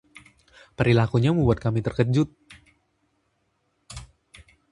Perilakunya membuat kami terkejut.